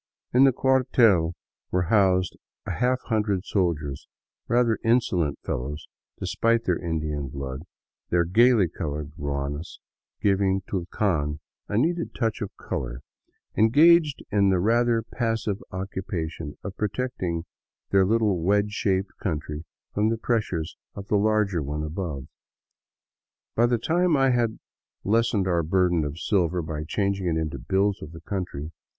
In the cuartel were housed a half hundred soldiers, rather insolent fellows despite their Indian blood, their gaily colored ruanas giving Tulcan a needed touch of color, engaged in the rather passive occupation of protecting their little wedge shaped country from the pressure of the larger one above. By the time I had lessened our burden of silver by changing it into bills of the country.